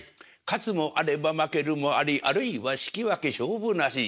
「勝つもあれば負けるもありあるいは引き分け勝負なし。